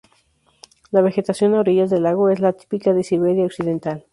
La vegetación a orillas del lago es la típica de Siberia Occidental.